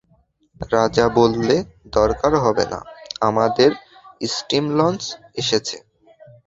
রাজা বললে, দরকার হবে না, আমাদের স্টীমলঞ্চ এসেছে।